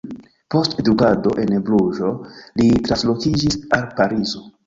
Post edukado en Bruĝo, li translokiĝis al Parizo.